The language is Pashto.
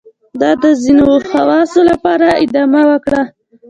دا د ځینو خواصو لپاره ادامه وکړه.